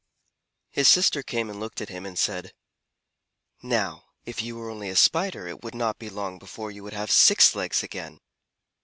His sister came and looked at him and said, "Now if you were only a Spider it would not be long before you would have six legs again."